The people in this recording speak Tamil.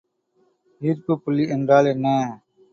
ஈர்ப்புப்புள்ளி என்றால் என்ன?